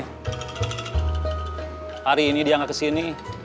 hari ini dia nggak kesini